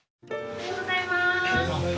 おはようございます。